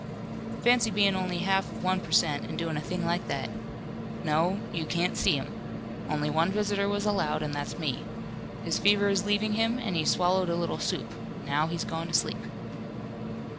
Fancy being only half of one per cent, and doing a thing like that. No, you can't see him. Only one visitor was allowed, and that's me. His fever is leaving him, and he swallowed a little soup. Now, he's going to sleep."